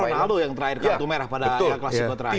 bahkan ronaldo yang terakhir kartu merah pada klasiko terakhir